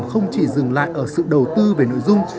không chỉ dừng lại ở sự đầu tư về nội dung